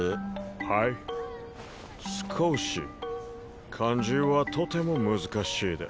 はい少し漢字はとても難しいです